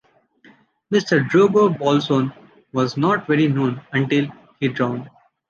Mister Drogo Bolson was not very known, until he drowned.